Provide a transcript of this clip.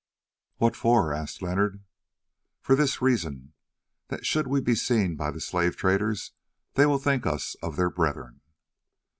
"What for?" asked Leonard. "For this reason: that should we be seen by the slave traders they will think us of their brethren."